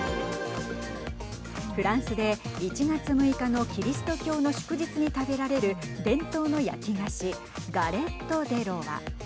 フランスで１月６日のキリスト教の祝日に食べられる伝統の焼菓子ガレット・デ・ロワ。